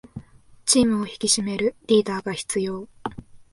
チームを引き締めるリーダーが必要